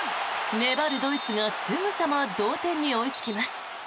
粘るドイツがすぐさま同点に追いつきます。